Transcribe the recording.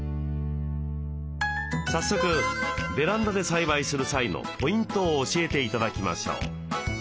早速ベランダで栽培する際のポイントを教えて頂きましょう。